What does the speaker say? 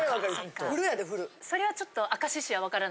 それはちょっと。